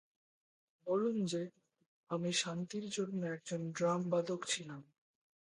বলুন যে, আমি শান্তির জন্য একজন ড্রাম বাদক ছিলাম।